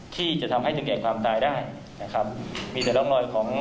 ที่จะทำให้ถึงแก่ความตายได้นะครับมีแต่ร่องรอยของ